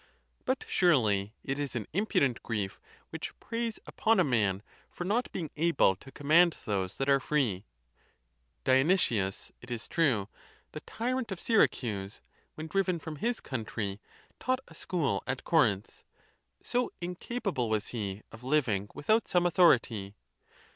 But surely it is an impudent grief which preys upon a man for not be ing able to command those that are free. Dionysius, it is _ true, the tyrant of Syracuse, when driven from his country, taught a school at Corinth; so incapable was he of living without some authority.